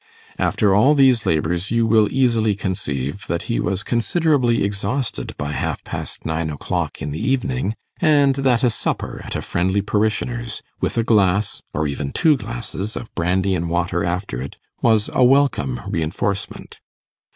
After all these labours you will easily conceive that he was considerably exhausted by half past nine o'clock in the evening, and that a supper at a friendly parishioner's, with a glass, or even two glasses, of brandy and water after it, was a welcome reinforcement.